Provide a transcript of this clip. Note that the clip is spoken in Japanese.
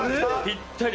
ぴったり。